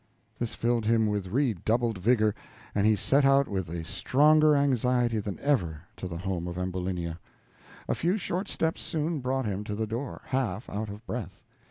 This filled him with redoubled vigor, and he set out with a stronger anxiety than ever to the home of Ambulinia. A few short steps soon brought him to the door, half out of breath.